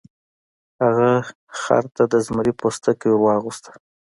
هغه خر ته د زمري پوستکی ور واغوسته.